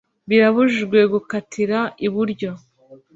Birabujijwe gukatira iburyo